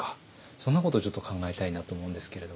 そんなことをちょっと考えたいなと思うんですけれども。